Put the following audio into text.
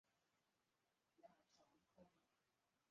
ดาบสองคม